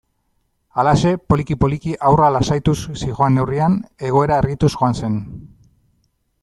Halaxe, poliki-poliki haurra lasaituz zihoan neurrian, egoera argituz joan zen.